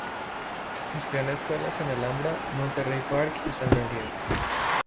Gestiona escuelas en Alhambra, Monterey Park, y San Gabriel.